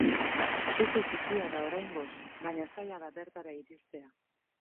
Sute txikia da oraingoz, baina zaila da bertara iristea.